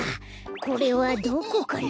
これはどこかな？